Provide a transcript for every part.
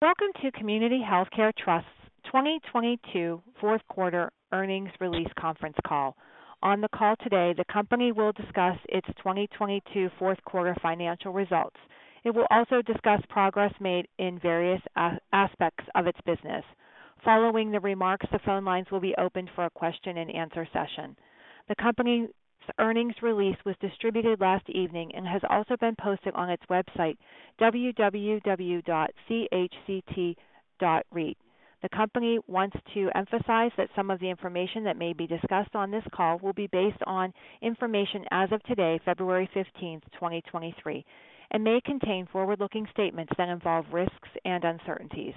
Welcome to Community Healthcare Trust's 2022 fourth quarter earnings release conference call. On the call today, the company will discuss its 2022 fourth quarter financial results. It will also discuss progress made in various aspects of its business. Following the remarks, the phone lines will be opened for a question-and-answer session. The company's earnings release was distributed last evening and has also been posted on its website, www.chct.reit. The company wants to emphasize that some of the information that may be discussed on this call will be based on information as of today, February 15, 2023, and may contain forward-looking statements that involve risks and uncertainties.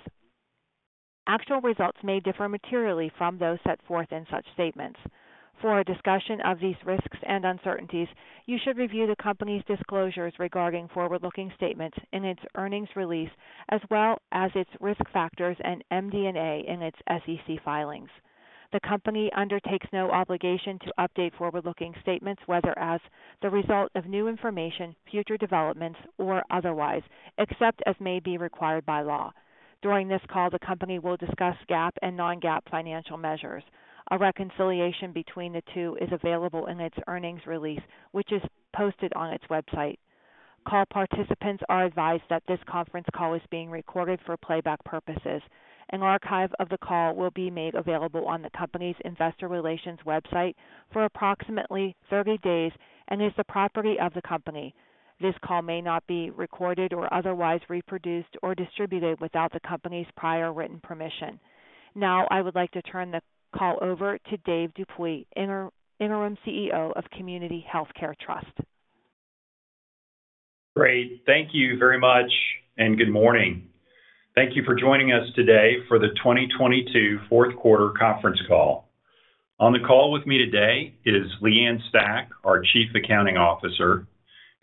Actual results may differ materially from those set forth in such statements. For a discussion of these risks and uncertainties, you should review the company's disclosures regarding forward-looking statements in its earnings release, as well as its risk factors and MD&A in its SEC filings. The company undertakes no obligation to update forward-looking statements, whether as the result of new information, future developments or otherwise, except as may be required by law. During this call, the company will discuss GAAP and non-GAAP financial measures. A reconciliation between the two is available in its earnings release, which is posted on its website. Call participants are advised that this conference call is being recorded for playback purposes. An archive of the call will be made available on the company's investor relations website for approximately 30 days and is the property of the company. This call may not be recorded or otherwise reproduced or distributed without the company's prior written permission. Now I would like to turn the call over to Dave Dupuy, Interim CEO of Community Healthcare Trust. Great. Thank you very much. Good morning. Thank you for joining us today for the 2022 fourth quarter conference call. On the call with me today is Leanne Stack, our Chief Accounting Officer,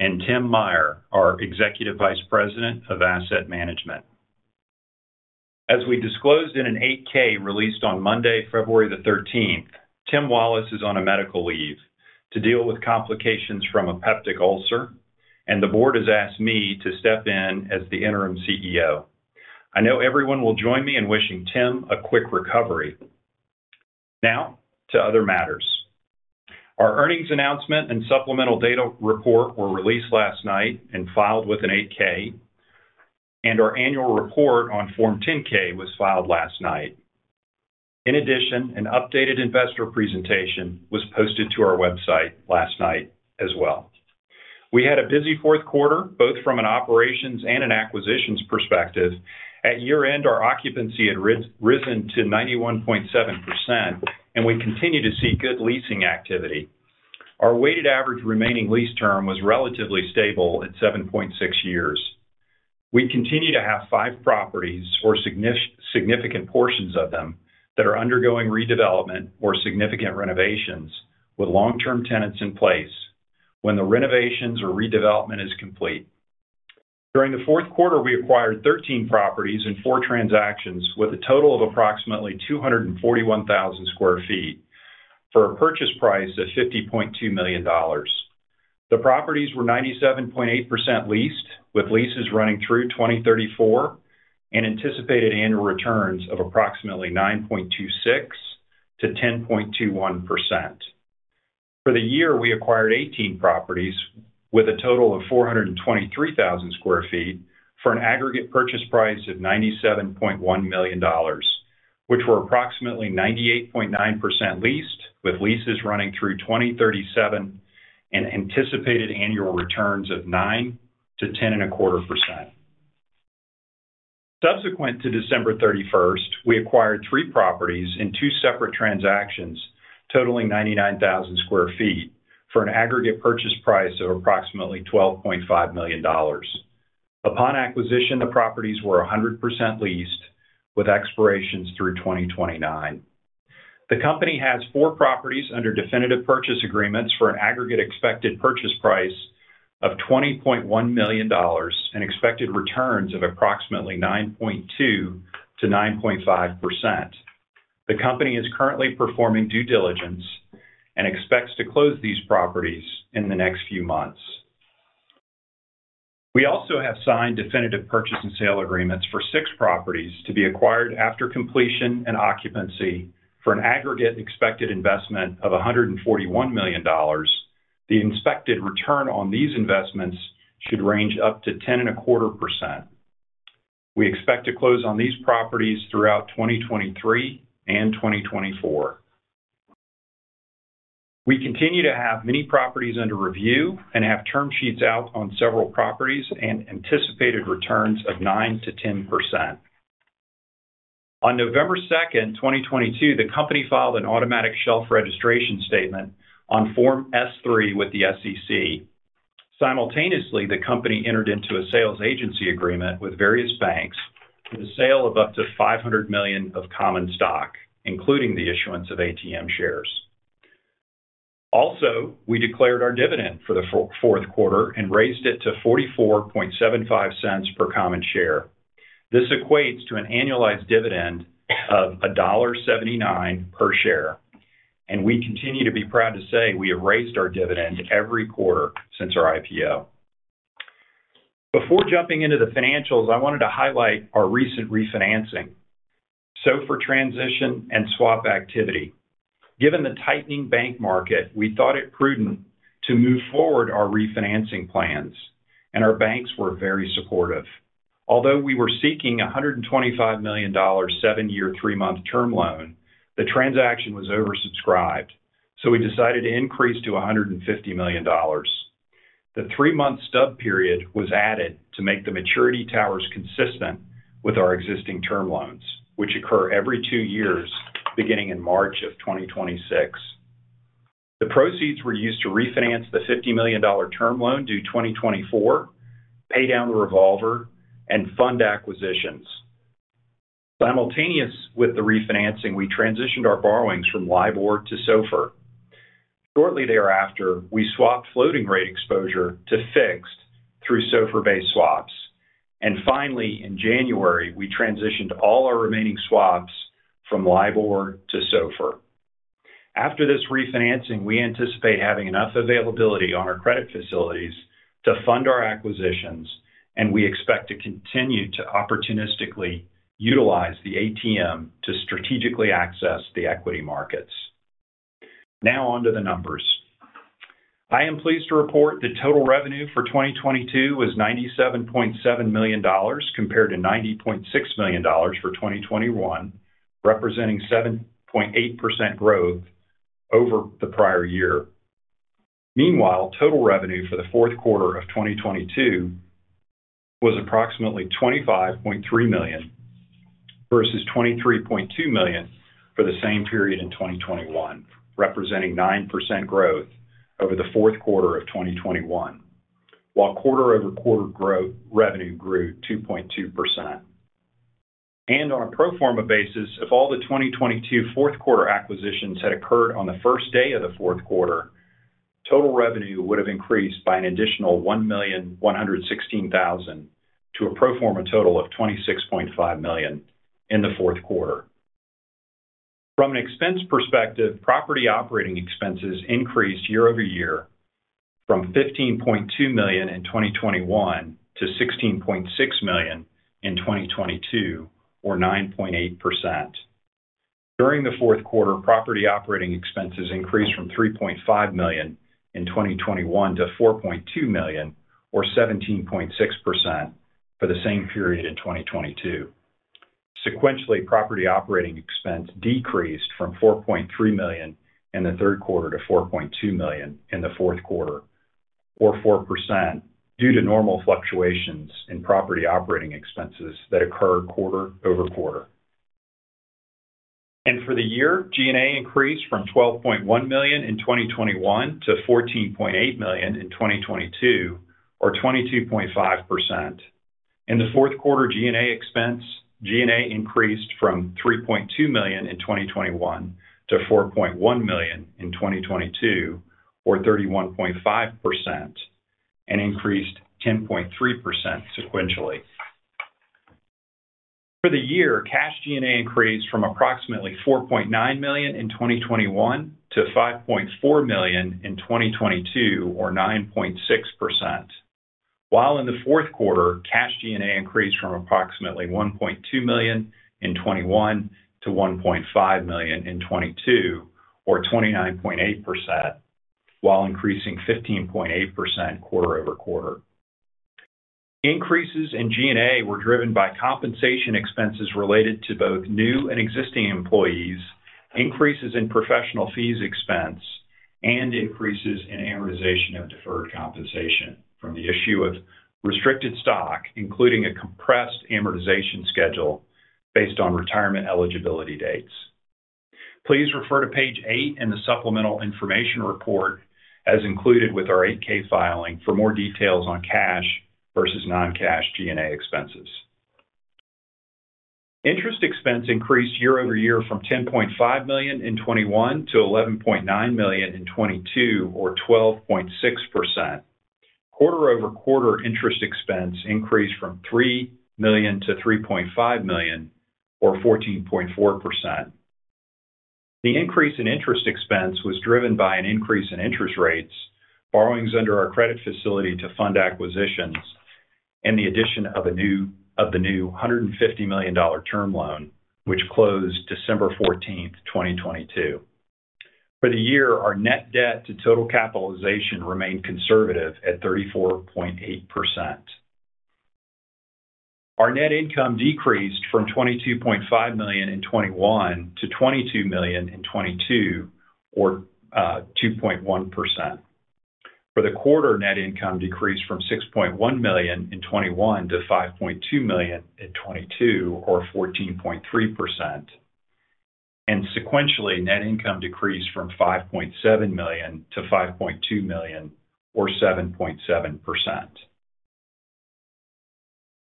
and Tim Meyer, our Executive Vice President of Asset Management. As we disclosed in an 8-K released on Monday, February 13th, Tim Wallace is on a medical leave to deal with complications from a peptic ulcer. The board has asked me to step in as the interim CEO. I know everyone will join me in wishing Tim a quick recovery. Now to other matters. Our earnings announcement and supplemental data report were released last night and filed with an 8-K. Our annual report on form 10-K was filed last night. In addition, an updated investor presentation was posted to our website last night as well. We had a busy fourth quarter, both from an operations and an acquisitions perspective. At year-end, our occupancy had risen to 91.7%. We continue to see good leasing activity. Our weighted average remaining lease term was relatively stable at 7.6 years. We continue to have five properties or significant portions of them that are undergoing redevelopment or significant renovations with long-term tenants in place when the renovations or redevelopment is complete. During the fourth quarter, we acquired 13 properties in 4 transactions, with a total of approximately 241,000 sq ft for a purchase price of $50.2 million. The properties were 97.8% leased, with leases running through 2034. Anticipated annual returns of approximately 9.26%-10.21%. For the year, we acquired 18 properties with a total of 423,000 sq ft for an aggregate purchase price of $97.1 million, which were approximately 98.9% leased, with leases running through 2037 and anticipated annual returns of 9%-10.25%. Subsequent to December 31st, we acquired three properties in two separate transactions, totaling 99,000 sq ft for an aggregate purchase price of approximately $12.5 million. Upon acquisition, the properties were 100% leased with expirations through 2029. The company has four properties under definitive purchase agreements for an aggregate expected purchase price of $20.1 million and expected returns of approximately 9.2%-9.5%. The company is currently performing due diligence and expects to close these properties in the next few months. We also have signed definitive purchase and sale agreements for 6 properties to be acquired after completion and occupancy for an aggregate expected investment of $141 million. The expected return on these investments should range up to 10.25%. We expect to close on these properties throughout 2023 and 2024. We continue to have many properties under review and have term sheets out on several properties and anticipated returns of 9%-10%. On November 2nd, 2022, the company filed an automatic shelf registration statement on Form S-3 with the SEC. Simultaneously, the company entered into a sales agency agreement with various banks for the sale of up to $500 million of common stock, including the issuance of ATM shares. We declared our dividend for the fourth quarter and raised it to $0.4475 per common share. This equates to an annualized dividend of $1.79 per share. We continue to be proud to say we have raised our dividend every quarter since our IPO. Before jumping into the financials, I wanted to highlight our recent refinancing, SOFR transition, and swap activity. Given the tightening bank market, we thought it prudent to move forward our refinancing plans, and our banks were very supportive. Although we were seeking a $125 million seven-year, three-month term loan, the transaction was oversubscribed, so we decided to increase to $150 million. The three-month stub period was added to make the maturity towers consistent with our existing term loans, which occur every two years beginning in March of 2026. The proceeds were used to refinance the $50 million term loan due 2024, pay down the revolver, and fund acquisitions. Simultaneous with the refinancing, we transitioned our borrowings from LIBOR to SOFR. Shortly thereafter, we swapped floating rate exposure to fixed through SOFR-based swaps. Finally, in January, we transitioned all our remaining swaps from LIBOR to SOFR. After this refinancing, we anticipate having enough availability on our credit facilities to fund our acquisitions, and we expect to continue to opportunistically utilize the ATM to strategically access the equity markets. Now on to the numbers. I am pleased to report that total revenue for 2022 was $97.7 million compared to $90.6 million for 2021, representing 7.8% growth over the prior year. Meanwhile, total revenue for the fourth quarter of 2022 was approximately $25.3 million versus $23.2 million for the same period in 2021, representing 9% growth over the fourth quarter of 2021. While quarter-over-quarter revenue grew 2.2%. On a pro forma basis, if all the 2022 fourth quarter acquisitions had occurred on the first day of the fourth quarter, total revenue would have increased by an additional $1,116,000 to a pro forma total of $26.5 million in the fourth quarter. From an expense perspective, property operating expenses increased year-over-year from $15.2 million in 2021 to $16.6 million in 2022, or 9.8%. During the fourth quarter, property operating expenses increased from $3.5 million in 2021 to $4.2 million or 17.6% for the same period in 2022. Sequentially, property operating expense decreased from $4.3 million in the third quarter to $4.2 million in the fourth quarter, or 4%, due to normal fluctuations in property operating expenses that occur quarter-over-quarter. For the year, G&A increased from $12.1 million in 2021 to $14.8 million in 2022, or 22.5%. In the fourth quarter G&A expense, G&A increased from $3.2 million in 2021 to $4.1 million in 2022, or 31.5%, and increased 10.3% sequentially. For the year, cash G&A increased from approximately $4.9 million in 2021 to $5.4 million in 2022, or 9.6%. In the fourth quarter, cash G&A increased from approximately $1.2 million in 2021 to $1.5 million in 2022, or 29.8%, while increasing 15.8% quarter-over-quarter. Increases in G&A were driven by compensation expenses related to both new and existing employees, increases in professional fees expense, and increases in amortization of deferred compensation from the issue of restricted stock, including a compressed amortization schedule based on retirement eligibility dates. Please refer to page eight in the supplemental information report as included with our 8-K filing for more details on cash versus non-cash G&A expenses. Interest expense increased year-over-year from $10.5 million in 2021 to $11.9 million in 2022, or 12.6%. Quarter-over-quarter interest expense increased from $3 million to $3.5 million, or 14.4%. The increase in interest expense was driven by an increase in interest rates, borrowings under our credit facility to fund acquisitions, and the addition of the new $150 million dollar term loan, which closed December 14th, 2022. For the year, our net debt to total capitalization remained conservative at 34.8%. Our net income decreased from $22.5 million in 2021 to $22 million in 2022, or 2.1%. For the quarter, net income decreased from $6.1 million in 2021 to $5.2 million in 2022, or 14.3%. Sequentially, net income decreased from $5.7 million to $5.2 million or 7.7%.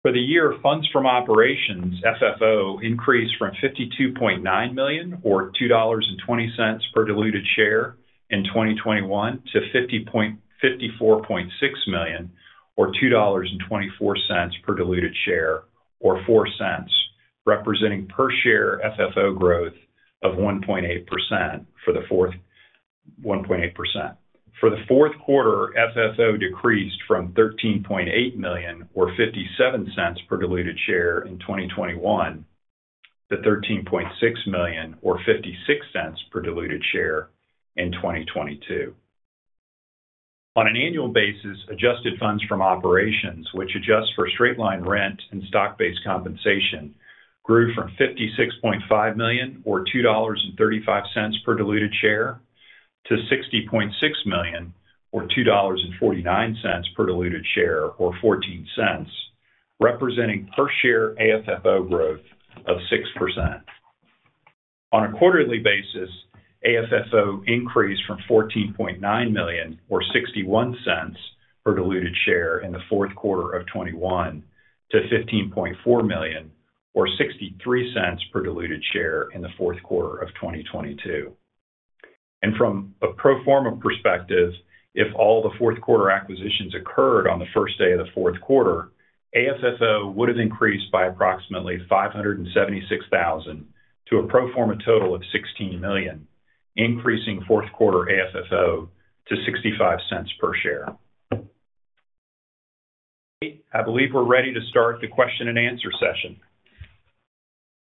For the year, Funds From Operations, FFO, increased from $52.9 million or $2.20 per diluted share in 2021 to $54.6 million or $2.24 per diluted share, or $0.04. Representing per share FFO growth of 1.8%. For the fourth quarter, FFO decreased from $13.8 million, or $0.57 per diluted share in 2021 to $13.6 million or $0.56 per diluted share in 2022. On an annual basis, adjusted funds from operations which adjust for straight-line rent and stock-based compensation, grew from $56.5 million or $2.35 per diluted share to $60.6 million or $2.49 per diluted share, or $0.14, representing per share AFFO growth of 6%. On a quarterly basis, AFFO increased from $14.9 million or $0.61 per diluted share in the fourth quarter of 2021 to $15.4 million or $0.63 per diluted share in the fourth quarter of 2022. From a pro forma perspective, if all the fourth quarter acquisitions occurred on the first day of the fourth quarter, AFFO would have increased by approximately $576,000 to a pro forma total of $16 million, increasing fourth quarter AFFO to $0.65 per share. I believe we're ready to start the question and answer session.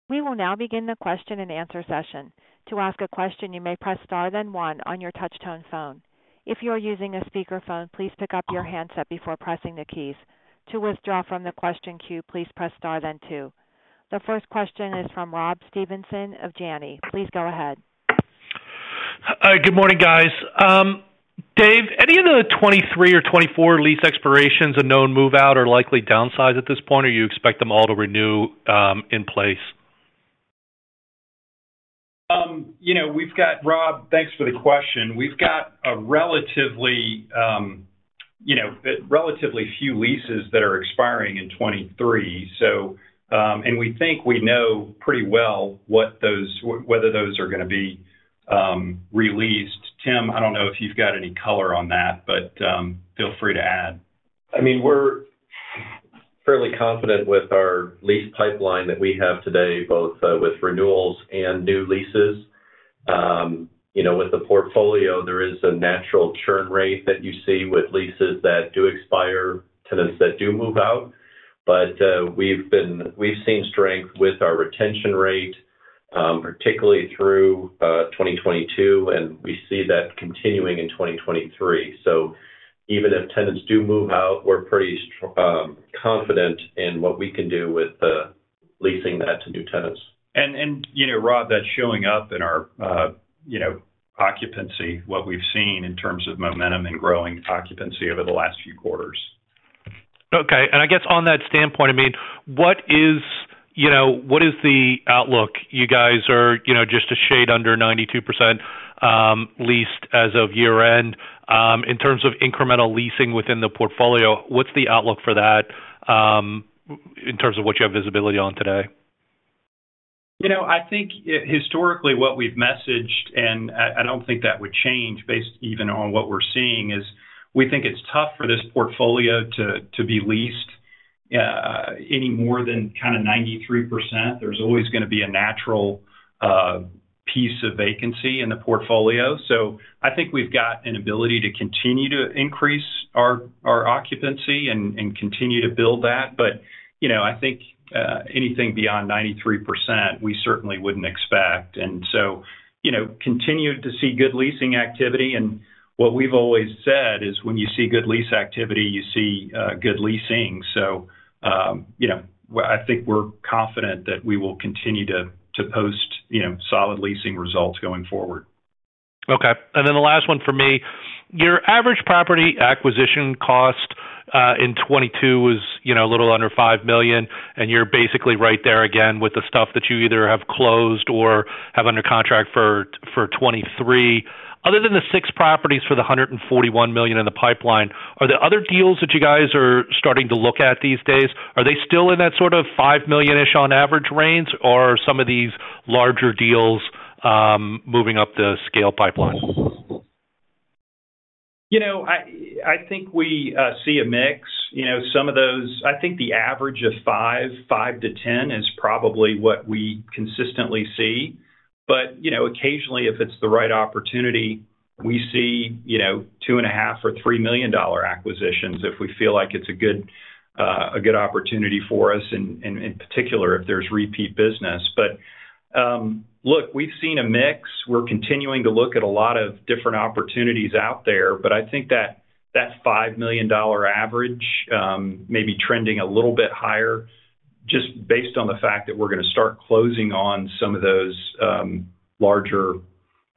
We will now begin the question and answer session. To ask a question, you may press Star-One on your touch tone phone. If you are using a speakerphone, please pick up your handset before pressing the keys. To withdraw from the question queue, please press Star then two. The first question is from Rob Stevenson of Janney. Please go ahead. Good morning, guys. Dave, any of the 23 or 24 lease expirations a known move-out or likely downsize at this point, or you expect them all to renew, in place? you know, Rob, thanks for the question. We've got a relatively, you know, relatively few leases that are expiring in 23. we think we know pretty well what those whether those are gonna be re-leased. Tim, I don't know if you've got any color on that, but feel free to add. I mean, we're fairly confident with our lease pipeline that we have today, both with renewals and new leases. You know, with the portfolio, there is a natural churn rate that you see with leases that do expire, tenants that do move out. We've seen strength with our retention rate, particularly through 2022, and we see that continuing in 2023. Even if tenants do move out, we're pretty confident in what we can do with leasing that to new tenants. You know, Rob, that's showing up in our, you know, occupancy, what we've seen in terms of momentum and growing occupancy over the last few quarters. Okay. I guess on that standpoint, I mean, what is, you know, what is the outlook? You guys are, you know, just a shade under 92% leased as of year-end. In terms of incremental leasing within the portfolio, what's the outlook for that, in terms of what you have visibility on today? You know, I think historically what we've messaged, and I don't think that would change based even on what we're seeing, is we think it's tough for this portfolio to be leased any more than kind of 93%. There's always gonna be a natural piece of vacancy in the portfolio. I think we've got an ability to continue to increase our occupancy and continue to build that. You know, I think anything beyond 93% we certainly wouldn't expect. You know, continued to see good leasing activity. What we've always said is, when you see good lease activity, you see good leasing. You know, I think we're confident that we will continue to post, you know, solid leasing results going forward. Okay. The last one for me. Your average property acquisition cost in 2022 was, you know, a little under $5 million, and you're basically right there again with the stuff that you either have closed or have under contract for 2023. Other than the six properties for the $141 million in the pipeline, are there other deals that you guys are starting to look at these days? Are they still in that sort of $5 million-ish on average range or are some of these larger deals moving up the scale pipeline? You know, I think we see a mix. You know, I think the average of five-10 is probably what we consistently see. You know, occasionally, if it's the right opportunity, we see, you know, $2.5 million or $3 million acquisitions if we feel like it's a good opportunity for us, and in particular if there's repeat business. Look, we've seen a mix. We're continuing to look at a lot of different opportunities out there, but I think that that $5 million average may be trending a little bit higher just based on the fact that we're gonna start closing on some of those larger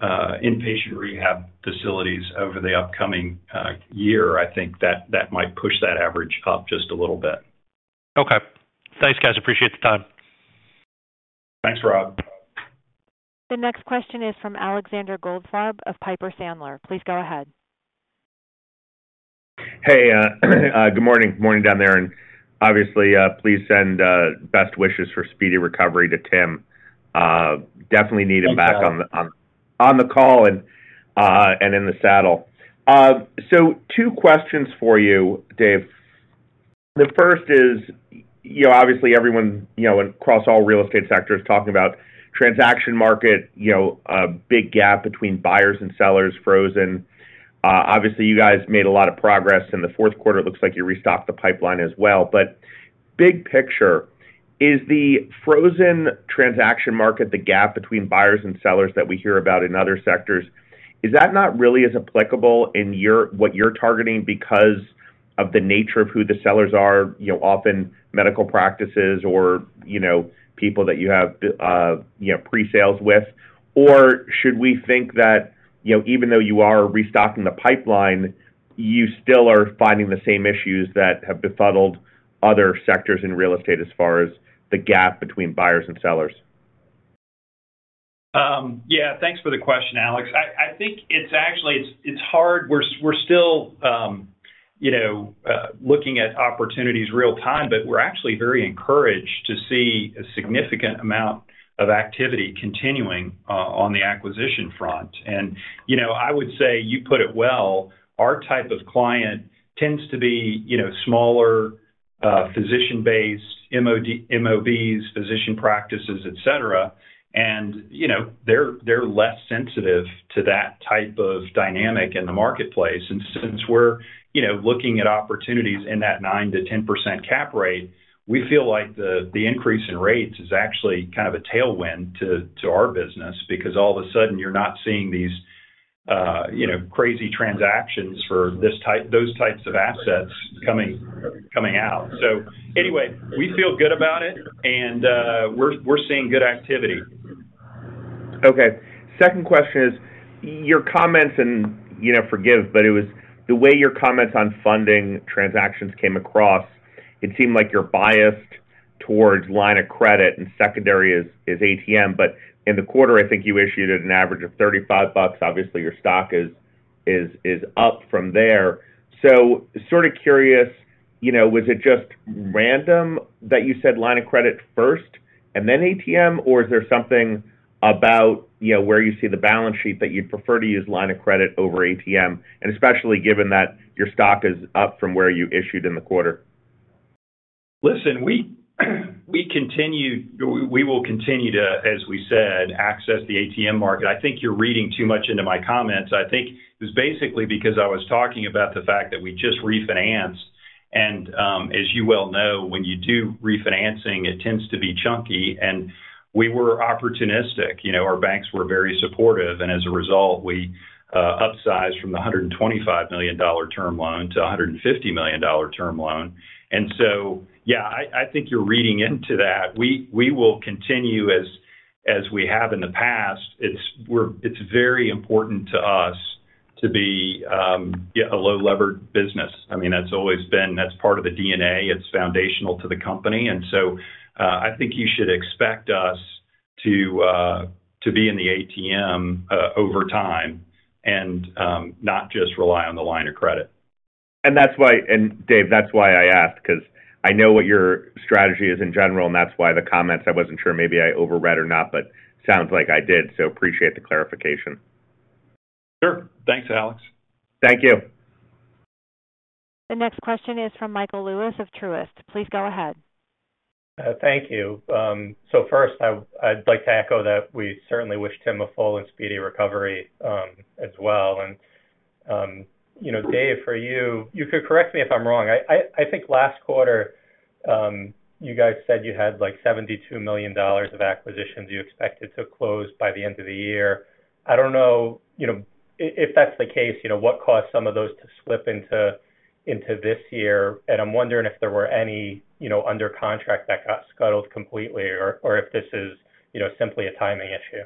inpatient rehabilitation facilities over the upcoming year. I think that might push that average up just a little bit. Okay. Thanks, guys, appreciate the time. Thanks, Rob. The next question is from Alexander Goldfarb of Piper Sandler. Please go ahead. Hey, good morning. Morning down there. Obviously, please send best wishes for speedy recovery to Tim. Definitely need him back on the call and in the saddle. Two questions for you, Dave. The first is, you know, obviously everyone, you know, across all real estate sectors talking about transaction market, you know, a big gap between buyers and sellers frozen. Obviously, you guys made a lot of progress in the fourth quarter. It looks like you restocked the pipeline as well. Big picture, is the frozen transaction market, the gap between buyers and sellers that we hear about in other sectors, is that not really as applicable in what you're targeting because of the nature of who the sellers are, you know, often medical practices or, you know, people that you have, you know, pre-sales with? Or should we think that, you know, even though you are restocking the pipeline, you still are finding the same issues that have befuddled other sectors in real estate as far as the gap between buyers and sellers? Yeah. Thanks for the question, Alex. I think it's actually, it's hard. We're still, you know, looking at opportunities real time, but we're actually very encouraged to see a significant amount of activity continuing on the acquisition front. You know, I would say you put it well, our type of client tends to be, you know, smaller, physician-based MOBs, physician practices, et cetera. You know, they're less sensitive to that type of dynamic in the marketplace. Since we're, you know, looking at opportunities in that 9%-10% cap rate, we feel like the increase in rates is actually kind of a tailwind to our business because all of a sudden you're not seeing these, you know, crazy transactions for those types of assets coming out. Anyway, we feel good about it, and we're seeing good activity. Okay. Second question is, your comments and, you know, forgive, but it was the way your comments on funding transactions came across, it seemed like you're biased towards line of credit, and secondary is ATM. In the quarter, I think you issued at an average of $35. Obviously, your stock is up from there. Sort of curious, you know, was it just random that you said line of credit first and then ATM, or is there something about, you know, where you see the balance sheet that you'd prefer to use line of credit over ATM, and especially given that your stock is up from where you issued in the quarter? Listen, we will continue to, as we said, access the ATM market. I think you're reading too much into my comments. I think it was basically because I was talking about the fact that we just refinanced. As you well know, when you do refinancing, it tends to be chunky, and we were opportunistic. You know, our banks were very supportive, and as a result, we upsized from the $125 million term loan to a $150 million term loan. Yeah, I think you're reading into that. We will continue as we have in the past. It's very important to us to be, yeah, a low levered business. I mean, that's always been, that's part of the DNA. It's foundational to the company. I think you should expect us to be in the ATM over time and not just rely on the line of credit. Dave, that's why I asked, 'cause I know what your strategy is in general, and that's why the comments, I wasn't sure maybe I overread or not, but sounds like I did, so appreciate the clarification. Sure. Thanks, Alex. Thank you. The next question is from Michael Lewis of Truist. Please go ahead. Thank you. First, I'd like to echo that we certainly wish Tim a full and speedy recovery, as well. You know, Dave, for you could correct me if I'm wrong. I think last quarter, you guys said you had, like, $72 million of acquisitions you expected to close by the end of the year. I don't know, you know, if that's the case, you know, what caused some of those to slip into this year. I'm wondering if there were any, you know, under contract that got scuttled completely or if this is, you know, simply a timing issue.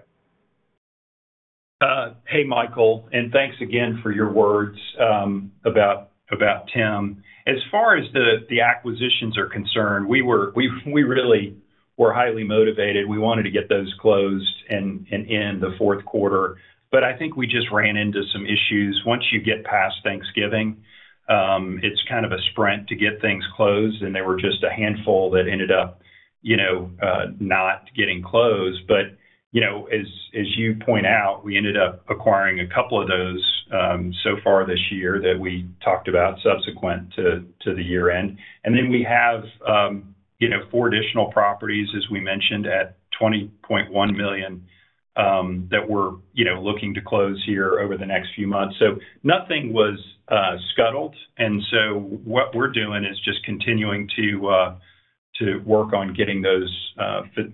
Hey, Michael, thanks again for your words about Tim. As far as the acquisitions are concerned, we really were highly motivated. We wanted to get those closed in the fourth quarter. I think we just ran into some issues. Once you get past Thanksgiving, it's kind of a sprint to get things closed, there were just a handful that ended up, you know, not getting closed. You know, as you point out, we ended up acquiring a couple of those so far this year that we talked about subsequent to the year-end. Then we have, you know, four additional properties, as we mentioned, at $20.1 million, that we're, you know, looking to close here over the next few months. Nothing was scuttled. What we're doing is just continuing to work on getting those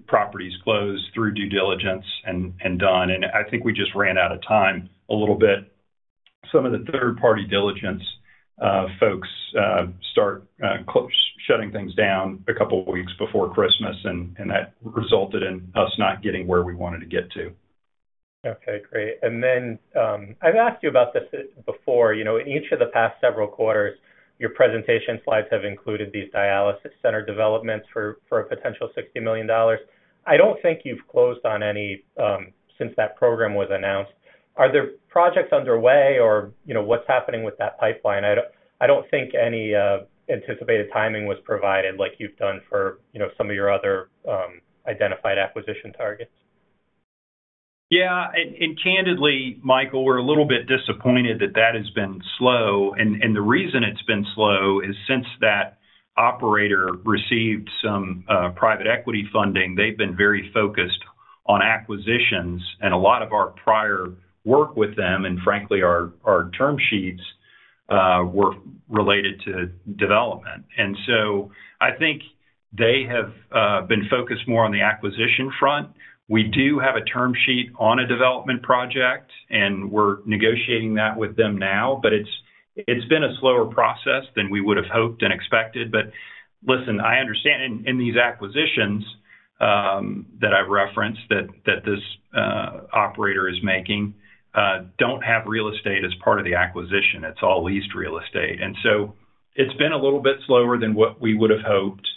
properties closed through due diligence and done. I think we just ran out of time a little bit. Some of the third-party diligence folks start shutting things down a couple weeks before Christmas, and that resulted in us not getting where we wanted to get to. Okay, great. I've asked you about this before. You know, in each of the past several quarters, your presentation slides have included these dialysis center developments for a potential $60 million. I don't think you've closed on any since that program was announced. Are there projects underway or, you know, what's happening with that pipeline? I don't think any anticipated timing was provided like you've done for, you know, some of your other identified acquisition targets. Yeah. Candidly, Michael, we're a little bit disappointed that has been slow. The reason it's been slow is since that operator received some private equity funding, they've been very focused on acquisitions. A lot of our prior work with them, and frankly, our term sheets, were related to development. I think they have been focused more on the acquisition front. We do have a term sheet on a development project, and we're negotiating that with them now, but it's been a slower process than we would've hoped and expected. Listen, I understand, and these acquisitions that I've referenced that this operator is making don't have real estate as part of the acquisition. It's all leased real estate. It's been a little bit slower than what we would've hoped.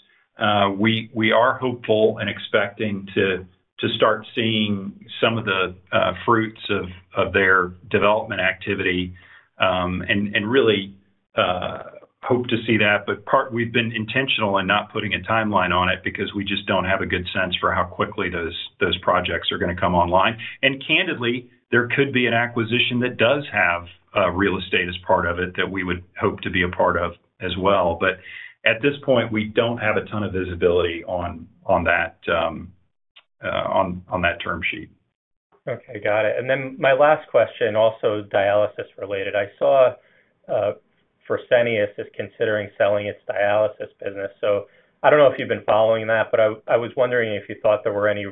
We are hopeful and expecting to start seeing some of the fruits of their development activity, and really hope to see that. We've been intentional in not putting a timeline on it because we just don't have a good sense for how quickly those projects are gonna come online. Candidly, there could be an acquisition that does have real estate as part of it that we would hope to be a part of as well. At this point, we don't have a ton of visibility on that term sheet. Okay. Got it. My last question also dialysis related. I saw Fresenius is considering selling its dialysis business. I don't know if you've been following that, but I was wondering if you thought there were any,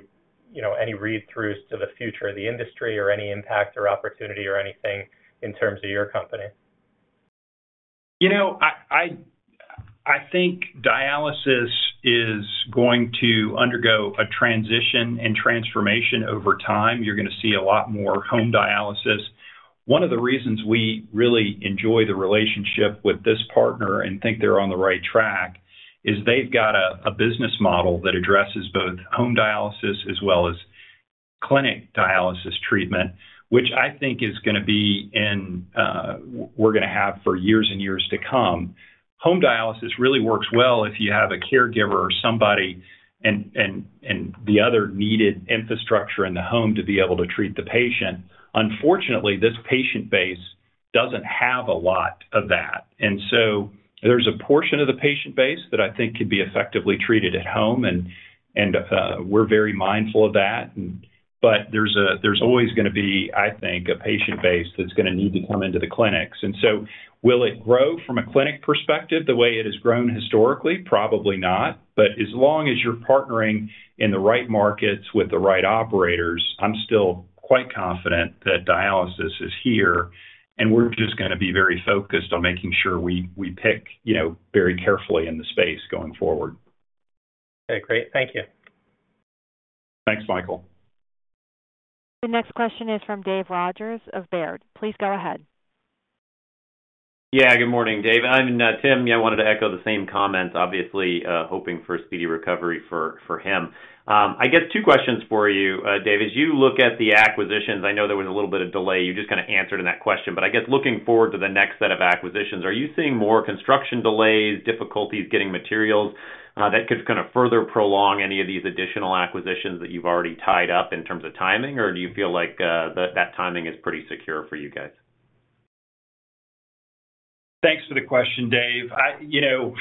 you know, any read-throughs to the future of the industry or any impact or opportunity or anything in terms of your company? You know, I think dialysis is going to undergo a transition and transformation over time. You're gonna see a lot more home dialysis. One of the reasons we really enjoy the relationship with this partner and think they're on the right track is they've got a business model that addresses both home dialysis as well as clinic dialysis treatment, which I think is gonna be in, we're gonna have for years and years to come. Home dialysis really works well if you have a caregiver or somebody and the other needed infrastructure in the home to be able to treat the patient. Unfortunately, this patient base doesn't have a lot of that. There's a portion of the patient base that I think could be effectively treated at home, and we're very mindful of that. There's always gonna be, I think, a patient base that's gonna need to come into the clinics. Will it grow from a clinic perspective the way it has grown historically? Probably not. As long as you're partnering in the right markets with the right operators, I'm still quite confident that dialysis is here, and we're just gonna be very focused on making sure we pick, you know, very carefully in the space going forward. Okay, great. Thank you. Thanks, Michael. The next question is from Dave Rodgers of Baird. Please go ahead. Yeah. Good morning, Dave. I mean, Tim, yeah, I wanted to echo the same comments, obviously, hoping for a speedy recovery for him. I guess two questions for you, Dave. As you look at the acquisitions, I know there was a little bit of delay. You just kinda answered in that question. I guess looking forward to the next set of acquisitions, are you seeing more construction delays, difficulties getting materials, that could kind of further prolong any of these additional acquisitions that you've already tied up in terms of timing? Do you feel like that timing is pretty secure for you guys? Thanks for the question, Dave. You know,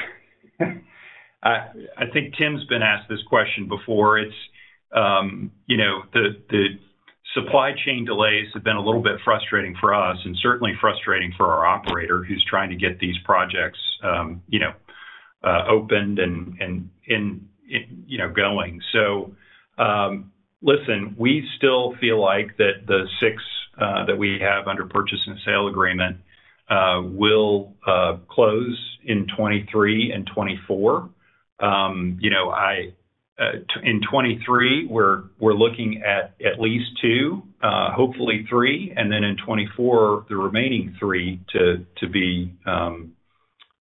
I think Tim's been asked this question before. It's, you know, the supply chain delays have been a little bit frustrating for us and certainly frustrating for our operator who's trying to get these projects, you know, opened and in, you know, going. Listen, we still feel like that the six that we have under purchase and sale agreement will close in 2023 and 2024. You know, I in 2023, we're looking at at least two, hopefully three, and then in 2024, the remaining three to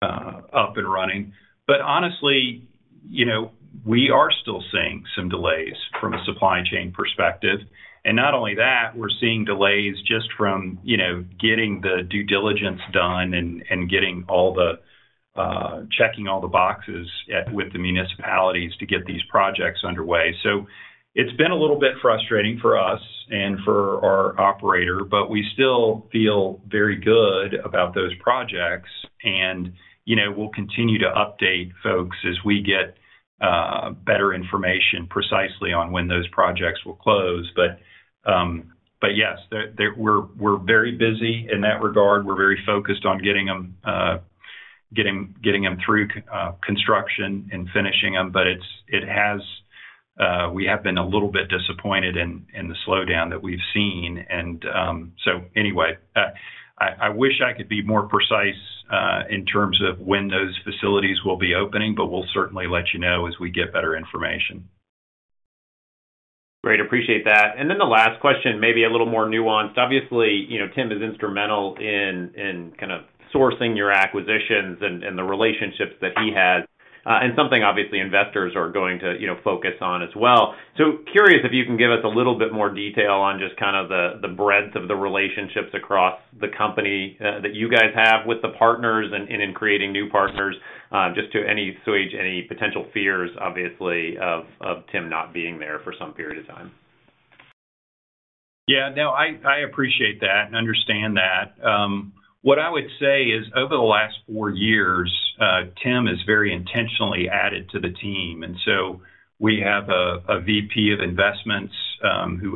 be up and running. Honestly, you know, we are still seeing some delays from a supply chain perspective. Not only that, we're seeing delays just from, you know, getting the due diligence done and getting all the checking all the boxes with the municipalities to get these projects underway. It's been a little bit frustrating for us and for our operator, but we still feel very good about those projects. You know, we'll continue to update folks as we get better information precisely on when those projects will close. Yes, we're very busy in that regard. We're very focused on getting them through construction and finishing them. It's, it has, we have been a little bit disappointed in the slowdown that we've seen. Anyway, I wish I could be more precise in terms of when those facilities will be opening, but we'll certainly let you know as we get better information. Great. Appreciate that. The last question, maybe a little more nuanced. Obviously, you know, Tim is instrumental in kind of sourcing your acquisitions and the relationships that he has, and something obviously investors are going to, you know, focus on as well. Curious if you can give us a little bit more detail on just kind of the breadth of the relationships across the company, that you guys have with the partners and in creating new partners, just to assuage any potential fears, obviously, of Tim not being there for some period of time. Yeah, no, I appreciate that and understand that. What I would say is over the last four years, Tim has very intentionally added to the team. We have a VP of investments, who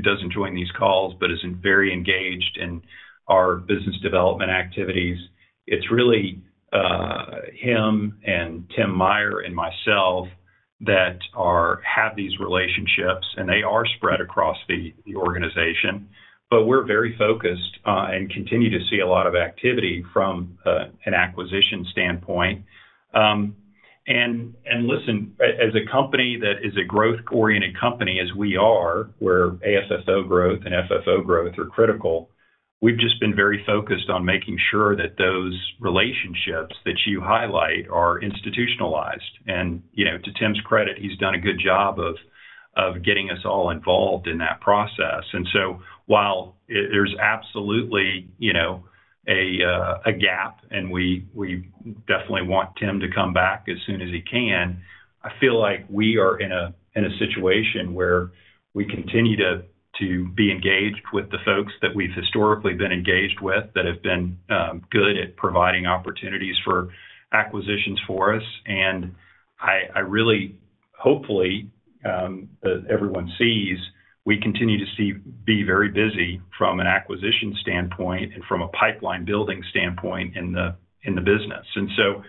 doesn't join these calls, but is very engaged in our business development activities. It's really him and Tim Meyer and myself that have these relationships, and they are spread across the organization. We're very focused and continue to see a lot of activity from an acquisition standpoint. And listen, as a company that is a growth-oriented company as we are, where AFFO growth and FFO growth are critical, we've just been very focused on making sure that those relationships that you highlight are institutionalized. you know, to Tim's credit, he's done a good job of getting us all involved in that process. while there's absolutely, you know, a gap, and we definitely want Tim to come back as soon as he can, I feel like we are in a situation where we continue to be engaged with the folks that we've historically been engaged with that have been good at providing opportunities for acquisitions for us. I really. Hopefully, everyone sees we continue to be very busy from an acquisition standpoint and from a pipeline building standpoint in the business. so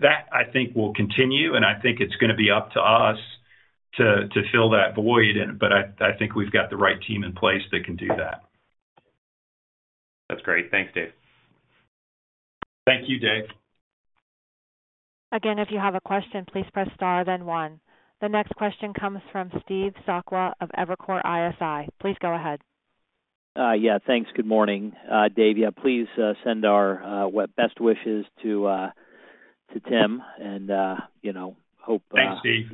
that I think will continue, and I think it's gonna be up to us to fill that void. I think we've got the right team in place that can do that. That's great. Thanks, Dave. Thank you, Dave. If you have a question, please press star then one. The next question comes from Steve Sakwa of Evercore ISI. Please go ahead. Yeah, thanks. Good morning. Dave, yeah, please send our best wishes to Tim and, you know, hope. Thanks, Steve.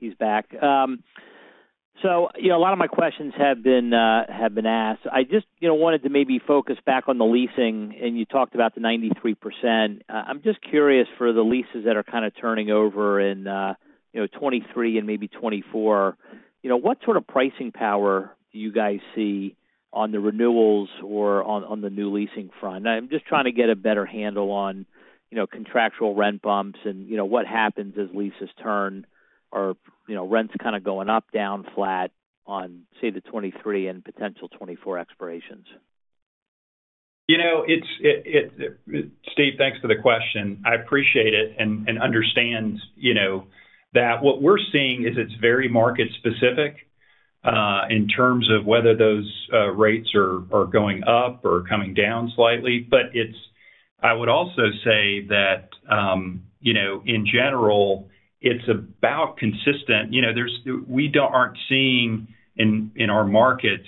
He's back. You know, a lot of my questions have been, have been asked. I just, you know, wanted to maybe focus back on the leasing, and you talked about the 93%. I'm just curious for the leases that are kind of turning over in, you know, 2023 and maybe 2024, you know, what sort of pricing power do you guys see on the renewals or on the new leasing front? I'm just trying to get a better handle on, you know, contractual rent bumps and, you know, what happens as leases turn or, you know, rents kind of going up, down, flat on, say, the 2023 and potential 2024 expirations. You know, it's Steve, thanks for the question. I appreciate it and understand, you know, that what we're seeing is it's very market specific in terms of whether those rates are going up or coming down slightly. It's I would also say that, you know, in general, it's about consistent. You know, there's we aren't seeing in our markets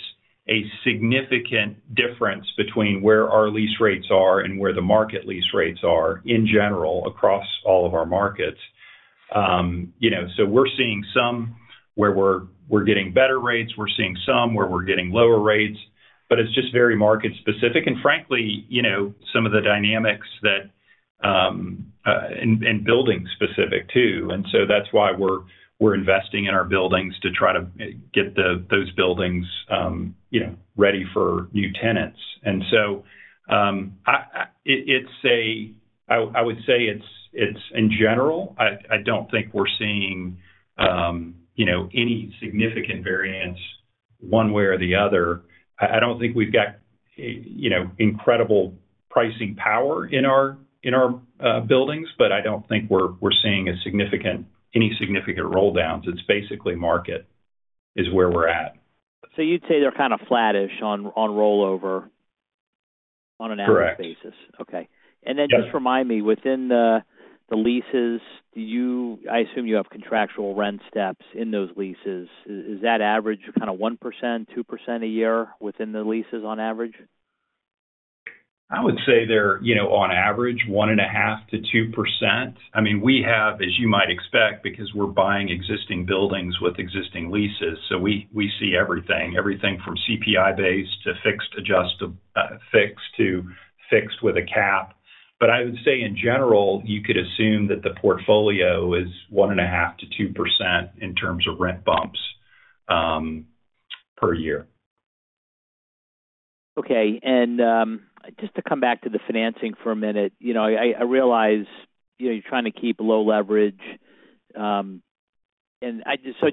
a significant difference between where our lease rates are and where the market lease rates are in general across all of our markets. You know, we're seeing some where we're getting better rates. We're seeing some where we're getting lower rates. It's just very market specific and frankly, you know, some of the dynamics that and building specific too. That's why we're investing in our buildings to try to get those buildings, you know, ready for new tenants. I would say it's in general, I don't think we're seeing, you know, any significant variance one way or the other. I don't think we've got, you know, incredible pricing power in our buildings, but I don't think we're seeing any significant roll downs. It's basically market is where we're at. You'd say they're kind of flattish on rollover on an annual basis? Correct. Okay. Just remind me, within the leases, I assume you have contractual rent steps in those leases. Is that average kind of 1%, 2% a year within the leases on average? I would say they're, you know, on average 1.5% to 2%. I mean, we have, as you might expect, because we're buying existing buildings with existing leases, so we see everything. Everything from CPI-based to fixed to fixed with a cap. I would say in general, you could assume that the portfolio is 1.5% to 2% in terms of rent bumps per year. Okay. Just to come back to the financing for a minute. You know, I realize, you know, you're trying to keep low leverage. So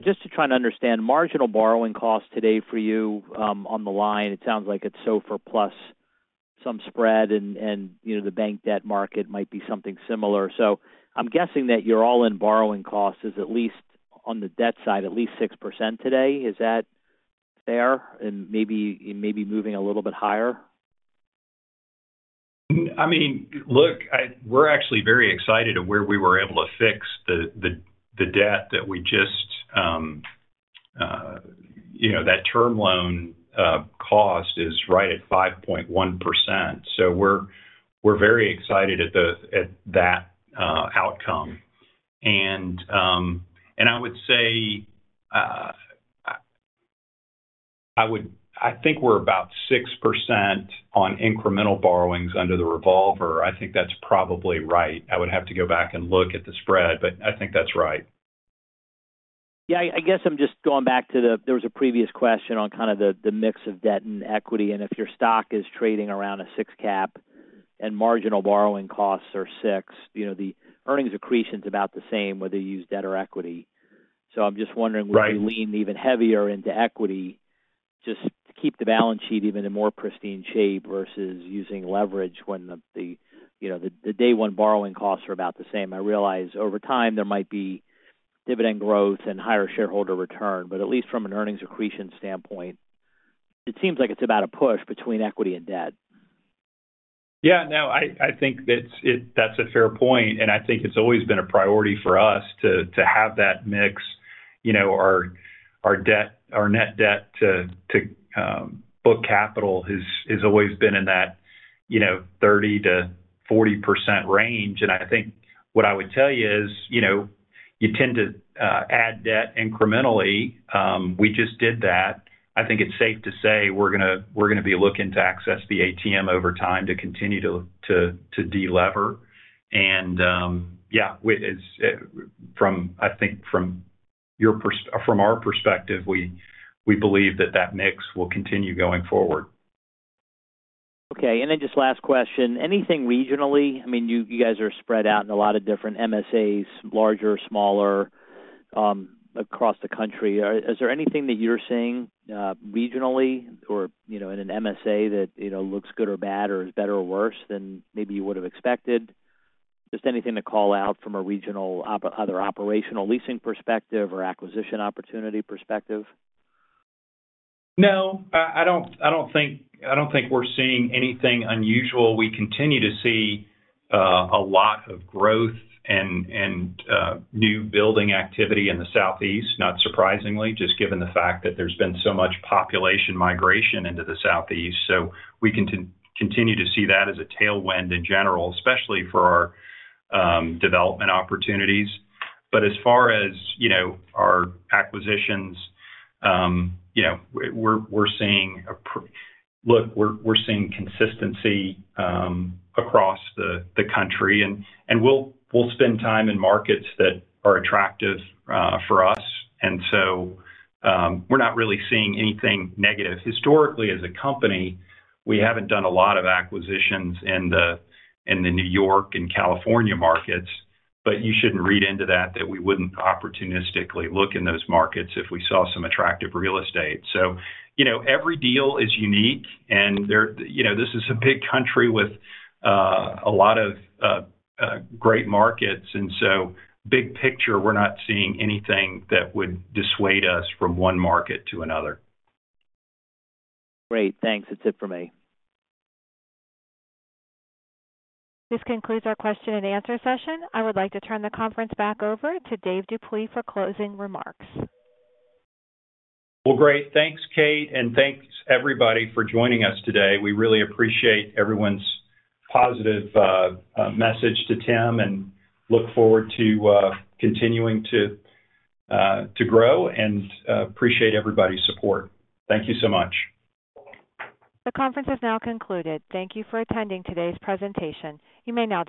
just to try to understand marginal borrowing costs today for you, on the line, it sounds like it's SOFR plus some spread, and, you know, the bank debt market might be something similar. I'm guessing that your all-in borrowing cost is at least on the debt side, at least 6% today. Is that fair? Maybe, maybe moving a little bit higher. I mean, look, we're actually very excited at where we were able to fix the debt that we just, you know, that term loan cost is right at 5.1%. We're very excited at that outcome. I would say, I think we're about 6% on incremental borrowings under the revolver. I think that's probably right. I would have to go back and look at the spread, but I think that's right. Yeah, I guess I'm just going back to the. There was a previous question on kind of the mix of debt and equity, and if your stock is trading around a 6 cap and marginal borrowing costs are six, you know, the earnings accretion's about the same whether you use debt or equity. I'm just wondering... Right. -would you lean even heavier into equity just to keep the balance sheet even in more pristine shape versus using leverage when the, you know, the day one borrowing costs are about the same. I realize over time there might be dividend growth and higher shareholder return, at least from an earnings accretion standpoint, it seems like it's about a push between equity and debt. Yeah. No, I think that's it. That's a fair point, and I think it's always been a priority for us to have that mix. You know, our debt, our net debt to book capital has always been in that, you know, 30%-40% range. I think what I would tell you is, you know, you tend to add debt incrementally. We just did that. I think it's safe to say we're gonna be looking to access the ATM over time to continue to de-lever. Yeah, from our perspective, we believe that that mix will continue going forward. Okay. Just last question. Anything regionally? I mean, you guys are spread out in a lot of different MSAs, larger, smaller, across the country. Is there anything that you're seeing, regionally or, you know, in an MSA that, you know, looks good or bad or is better or worse than maybe you would've expected? Just anything to call out from a regional either operational leasing perspective or acquisition opportunity perspective. No, I don't think we're seeing anything unusual. We continue to see a lot of growth and new building activity in the southeast, not surprisingly, just given the fact that there's been so much population migration into the southeast. We continue to see that as a tailwind in general, especially for our development opportunities. As far as, you know, our acquisitions, you know, we're seeing Look, we're seeing consistency across the country. We'll spend time in markets that are attractive for us. We're not really seeing anything negative. Historically, as a company, we haven't done a lot of acquisitions in the New York and California markets, but you shouldn't read into that we wouldn't opportunistically look in those markets if we saw some attractive real estate. you know, every deal is unique and there, you know, this is a big country with a lot of great markets. big picture, we're not seeing anything that would dissuade us from one market to another. Great. Thanks. That's it for me. This concludes our question and answer session. I would like to turn the conference back over to Dave Dupuy for closing remarks. Well, great. Thanks, Kate, thanks everybody for joining us today. We really appreciate everyone's positive message to Tim, and look forward to continuing to grow and appreciate everybody's support. Thank you so much. The conference has now concluded. Thank you for attending today's presentation. You may now disconnect.